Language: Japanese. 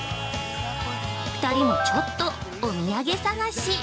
２人もちょっとお土産探し！